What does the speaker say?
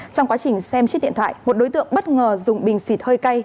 trong quá trình xem chiếc điện thoại một đối tượng bất ngờ dùng bình xịt hơi cay